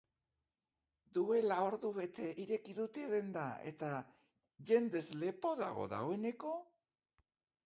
Duela ordubete ireki dute denda, eta jendez lepo dago dagoeneko